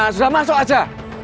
sudah masuk aja